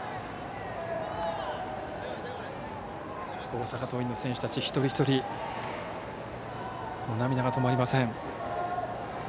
大阪桐蔭の選手たち、一人一人涙が止まりません。